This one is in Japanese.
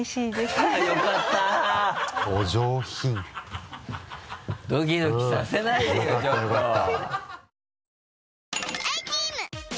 よかったよかった。